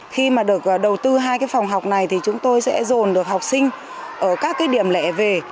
khi mà được đầu tư hai cái phòng học này thì chúng tôi sẽ dồn được học sinh ở các cái điểm lẻ về